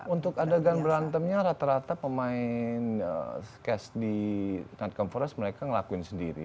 untuk adegan berantemnya rata rata pemain kes di not comfort us mereka melakuin sendiri